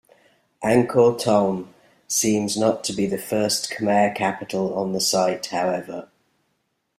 Angkor Thom seems not to be the first Khmer capital on the site, however.